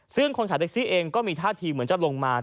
ซึ่งคนขับแท็กซี่เองก็มีท่าทีเหมือนจะลงมา